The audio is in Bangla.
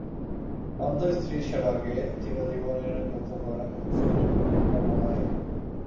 অন্ধ স্ত্রীর সেবাকে চিরজীবনের ব্রত করা পুরুষের কর্ম নহে।